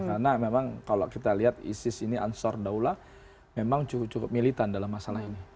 karena memang kalau kita lihat isis ini ansur daulah memang cukup militan dalam masalah ini